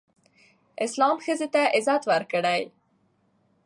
اسلام ښځې ته عزت ورکړی